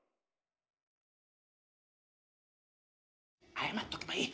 謝っとけばいい。